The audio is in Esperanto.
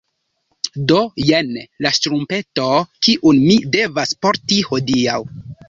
Do jen la ŝtrumpeto, kiun mi devas porti hodiaŭ.